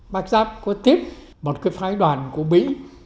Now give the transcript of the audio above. bác giáp có tiếp một cái phái đoàn của mỹ